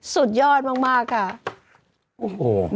สุดยอดมากค่ะโอ้โห